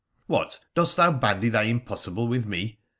' 'What, dost thou bandy thy "impossible" with me?